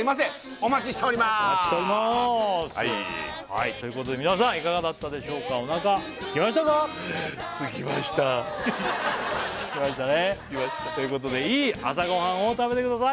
お待ちしておりますということで皆さんいかがだったでしょうか空きましたねということでいい朝ごはんを食べてください！